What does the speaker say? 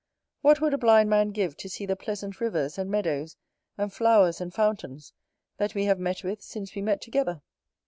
What would a blind man give to see the pleasant rivers, and meadows, and flowers, and fountains, that we have met with since we met together?